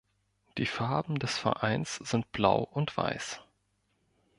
Die Farben des Vereins sind blau und weiß.